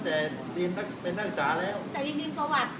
ทำไว้น้ำประหว่าง